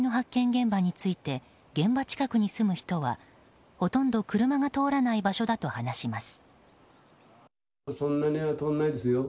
現場について現場近くに住む人は、ほとんど車が通らない場所だと話します。